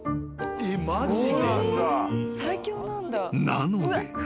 ［なので］